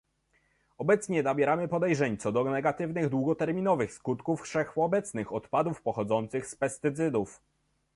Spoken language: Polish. Obecnie nabieramy podejrzeń co do negatywnych długoterminowych skutków wszechobecnych odpadów pochodzących z pestycydów